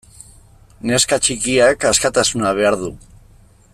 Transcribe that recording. Neska txikiak askatasuna behar du.